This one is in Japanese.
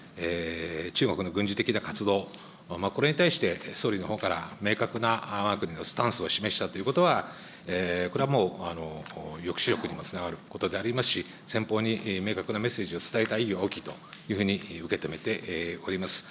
中国の軍事的な活動、これに対して、総理のほうから明確なわが国のスタンスを示したということは、これはもう、抑止力にもつながることでありますし、先方に明確なメッセージを伝えた意義は大きいというふうに受け止めております。